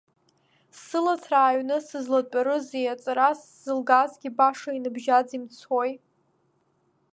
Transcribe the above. Сыла ҭраа аҩны сызлаатәарызеи, аҵара сзылгазгьы баша иныбжьаӡ имцои!